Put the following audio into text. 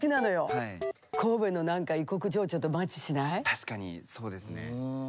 確かにそうですね。